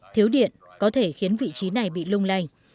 thiếu điện có thể khiến vị trí này bị lung lanh